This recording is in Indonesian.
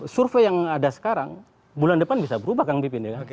survei yang ada sekarang bulan depan bisa berubah kang pipin ya